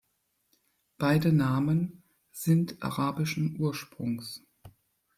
Beide Namen sind arabischen Ursprungs.